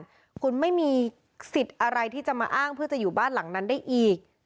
คุณไม่มีสิทธิ์อะไรที่จะมาอ้างเพื่อจะอยู่บ้านหลังนั้นได้อีก